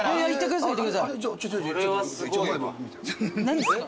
何ですか？